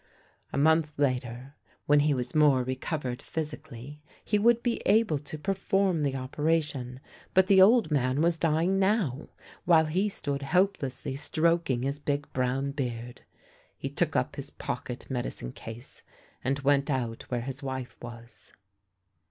A month later when he was more recovered physically he would be able to perform the operation, but the old man was dying now, while he stood helplessly stroking his big brown beard. He took up his pocket medicine case, and went out where his wife was.